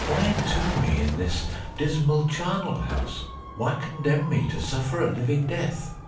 why entomb me in this dismal charnel house ? why condemn me to suffer a living death